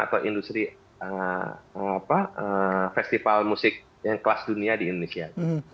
atau industri festival musik yang kelas dunia di indonesia